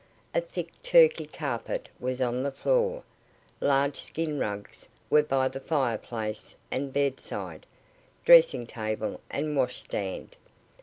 A thick Turkey carpet was on the floor, large skin rugs were by the fire place and bedside, dressing table, and wash stand.